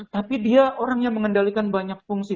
tapi dia orang yang mengendalikan banyak fungsi